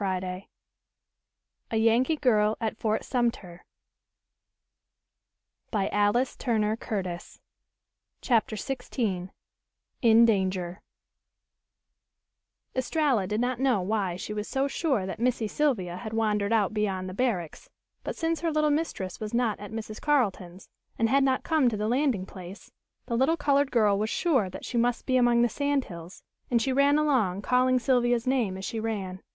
Missy Sylvia!" But no answer came to her calls. CHAPTER XVI IN DANGER Estralla did not know why she was so sure that Missy Sylvia had wandered out beyond the barracks; but, since her little mistress was not at Mrs. Carleton's, and had not come to the landing place, the little colored girl was sure that she must be among the sand hills, and she ran along calling Sylvia's name as she ran.